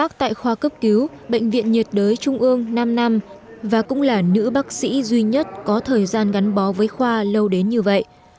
phòng cấp cứu bệnh viện nhiệt đới trung ương năm năm và cũng là nữ bác sĩ duy nhất có thời gian gắn bó với khoa lâu đến như vậy